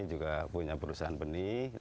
juga punya perusahaan benih